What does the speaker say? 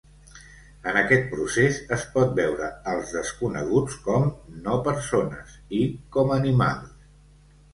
En aquest procés, es pot veure als desconeguts com "no persones" i com animals.